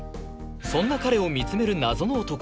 そんな彼を見つめる謎の男